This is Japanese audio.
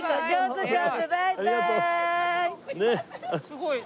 すごい。